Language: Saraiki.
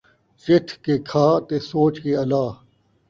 چِتھ کے کھا تے سوچ کے الا